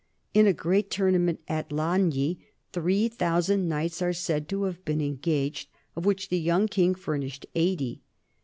In a great tournament at Lagni three thousand knights are said to have been engaged, of which the Young King furnished eighty.